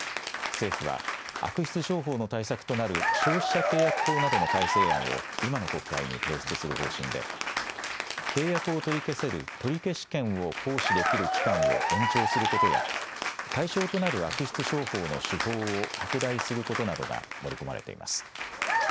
政府は悪質商法の対策となる消費者契約法などの改正案を今の国会に提出する方針で契約を取り消せる取消権を行使できる期間を延長することや対象となる悪質商法の手法を拡大することなどが盛り込まれています。